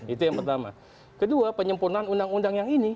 itu yang pertama kedua penyempurnaan undang undang yang ini